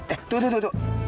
eh tuh tuh tuh